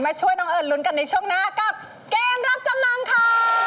มาช่วยหนอเอิ้นลุ้นกันในช่วงหน้ากับกค์เกมรับจำลำค่ะ